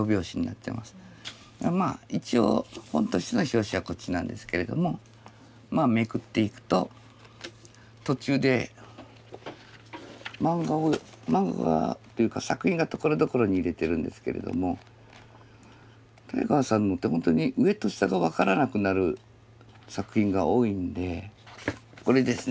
まあ一応本としての表紙はこっちなんですけれどもまあめくっていくと途中でマンガっていうか作品がところどころに入れてるんですけれどもタイガーさんのってほんとに上と下が分からなくなる作品が多いんでこれですね